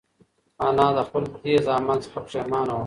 انا له خپل تېز عمل څخه پښېمانه وه.